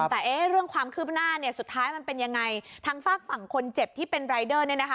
แต่เรื่องความคืบหน้าเนี่ยสุดท้ายมันเป็นยังไงทางฝากฝั่งคนเจ็บที่เป็นรายเดอร์เนี่ยนะคะ